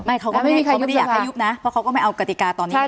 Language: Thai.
เขาก็ไม่ได้เขาไม่ได้อยากให้ยุบนะเพราะเขาก็ไม่เอากติกาตอนนี้